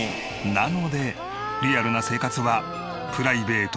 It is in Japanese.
なのでリアルな生活はプライベートの非公開ゾーン。